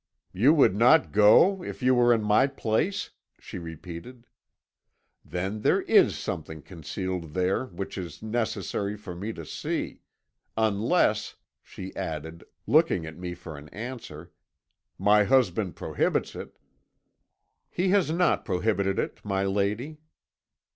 "'You would not go if you were in my place!' she repeated. 'Then there is something concealed there which it is necessary for me to see. Unless,' she added, looking at me for an answer, 'my husband prohibits it.' "'He has not prohibited it, my lady.'